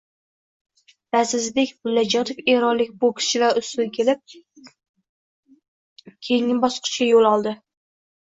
Lazizbek Mullajonov eronlik bokschidan ustun kelib, keyingi bosqichga yo‘l oldi